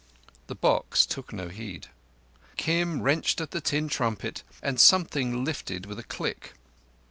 The box took no heed. Kim wrenched at the tin trumpet and something lifted with a click.